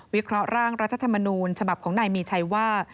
เคราะหร่างรัฐธรรมนูญฉบับของนายมีชัยว่า